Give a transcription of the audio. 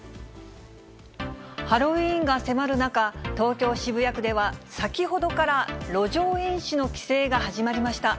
ハロウィーンが迫る中、東京・渋谷区では先ほどから路上飲酒の規制が始まりました。